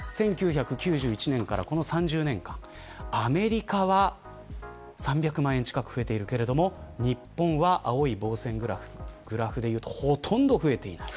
１９９１年からこの３０年間アメリカは３００万円近く増えたけども日本は青い棒線グラフほとんど増えていない。